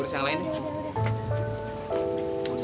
urus yang lain nih